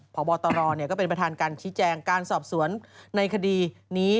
พบตรก็เป็นประธานการชี้แจงการสอบสวนในคดีนี้